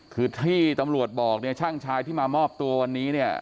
คือที่ตำรวจบอกช่างชายที่มามอบตัววันนี้